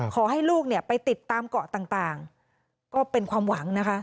ขอให้ลูกเนี่ยไปติดตามเกาะต่างก็เป็นความหวังนะคะ